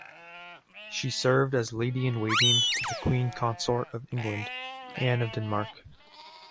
She served as lady-in-waiting to the queen consort of England, Anne of Denmark.